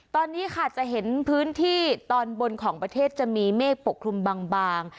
ตอนนี้ค่ะจะเห็นพื้นที่ตอนบนของประเทศจะมีเมฆปกคลุมบาง